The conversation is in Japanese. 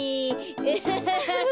アハハハハ！